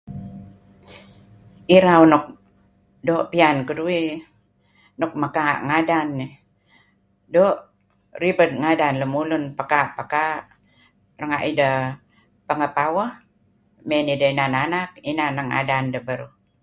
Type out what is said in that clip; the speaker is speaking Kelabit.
Irau nuk doo' piyan keduih eh, nuk mekaa' ngadan eh. Doo' ribed ngadan lemulun eh pakaa'-pekaa'. Renga' ideh pengeh paweh, mey nideh inan anak, inan neh ngadan deh beruh.